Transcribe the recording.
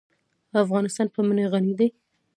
افغانستان په منی غني دی.